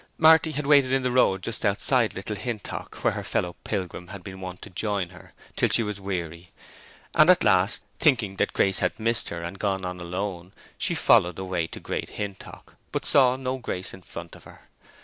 Marty had waited in the road just outside Little Hintock, where her fellow pilgrim had been wont to join her, till she was weary; and at last, thinking that Grace had missed her and gone on alone, she followed the way to Great Hintock, but saw no Grace in front of her.